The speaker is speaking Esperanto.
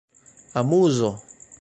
amuzo